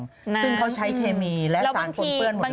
ซึ่งเขาใช้เคมีและสารปนเปื้อนหมดเลย